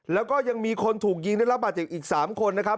แล้วก็ยังมีคนถูกยิงได้รับบาดเจ็บอีก๓คนนะครับ